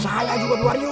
saya juga luarius